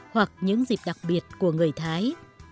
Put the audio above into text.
hoặc những dịp đặc biệt của người thái